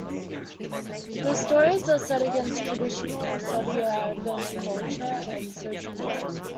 Their stories are set against traditional Saudi Arabian culture and social mores.